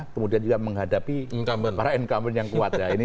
kemudian juga menghadapi para incumbent yang kuat